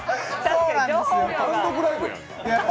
単独ライブやんか。